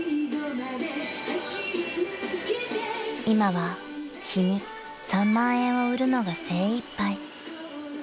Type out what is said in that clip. ［今は日に３万円を売るのが精いっぱい］